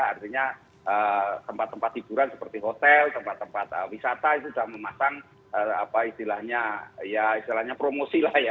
artinya tempat tempat liburan seperti hotel tempat tempat wisata itu sudah memasang istilahnya promosi lah ya